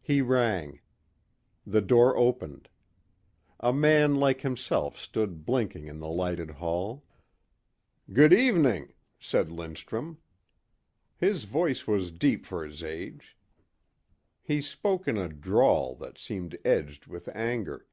He rang. The door opened. A man like himself stood blinking in the lighted hall. "Good evening," said Lindstrum. His voice was deep for his age. He spoke in a drawl that seemed edged with anger.